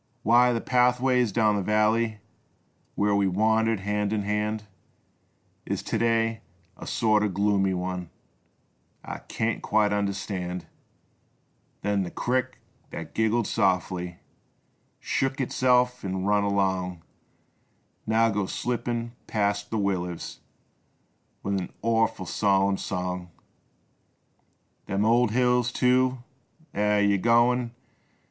63 Why th' pathway down th' valley Where we wandered hand in hand Is to day a sorter gloomy one I kint quite understand, Then the crick thet giggled softly, Shook itself 'n' run along Now goes slippin' past the willers With an orful solemn song. Them old hills, too — eh ! Yer goin'